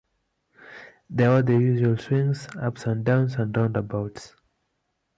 There were the usual swings, ups-and-downs and roundabouts.